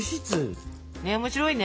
ねっ面白いね。